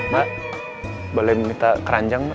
mbak boleh minta keranjang mbak